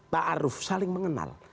pak arief saling mengenal